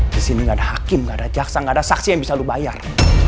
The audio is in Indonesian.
disini gak ada hakim gak ada jaksa gak ada saksi yang bisa lo bayar